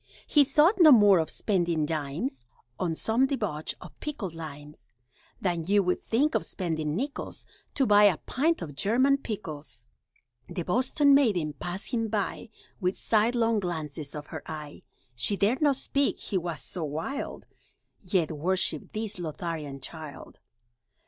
He thought no more of spending dimes On some debauch of pickled limes, Than you would think of spending nickels To buy a pint of German pickles! The Boston maiden passed him by With sidelong glances of her eye, She dared not speak (he was so wild), Yet worshiped this Lotharian child.